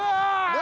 何？